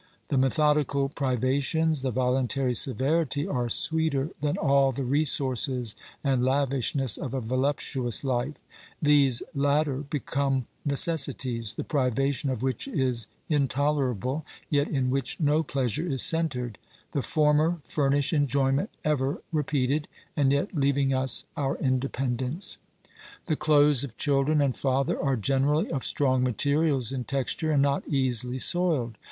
The methodical privations, the voluntary severity are sweeter than all the resources and lavishness of a OBERMANN 285 voluptuous life ; these latter become necessities, the privation of which is intolerable, yet in which no pleasure is centred ; the former furnish enjoyment ever repeated, and yet leaving us our independence. The clothes of children and father are generally of strong materials in texture and not easily soiled.